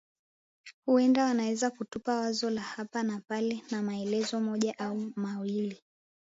Huenda wanaweza kutupa wazo la hapa na pale na maelezo moja au mawili